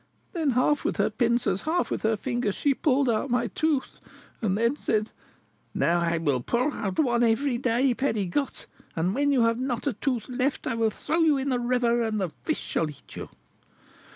Then, half with her pincers, half with her fingers, she pulled out my tooth, and then said, 'Now I will pull out one every day, Pegriotte; and when you have not a tooth left I will throw you into the river, and the fish shall eat you.'"